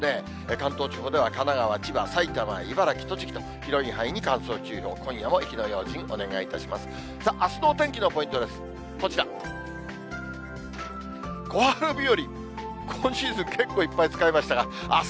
関東地方では神奈川、千葉、埼玉、茨城、栃木と広い範囲に乾燥注意報、今夜も火の用心、お願いいたします。